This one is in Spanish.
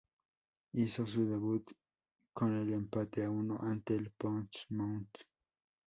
Hizo su debut con el empate a uno ante el Portsmouth.